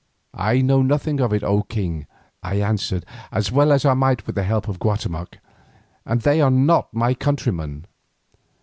"I know nothing of it, O king," I answered as well as I might with the help of Guatemoc, "and they are not my countrymen."